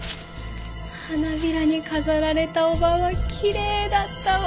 花びらに飾られた叔母はきれいだったわ。